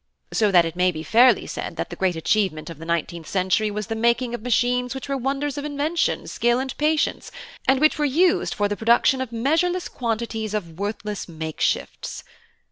So that it may be fairly said that the great achievement of the nineteenth century was the making of machines which were wonders of invention, skill, and patience, and which were used for the production of measureless quantities of worthless make shifts.